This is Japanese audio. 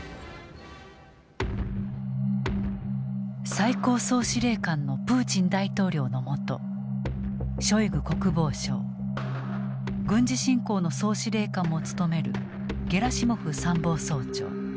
最高総司令官のプーチン大統領のもとショイグ国防相軍事侵攻の総司令官も務めるゲラシモフ参謀総長。